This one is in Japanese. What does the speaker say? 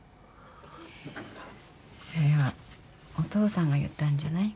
それはお父さんが言ったんじゃない？